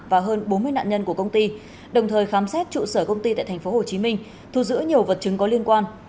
và hơn bốn mươi nạn nhân của công ty đồng thời khám xét trụ sở công ty tại tp hcm thu giữ nhiều vật chứng có liên quan